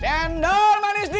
cendol manis dingin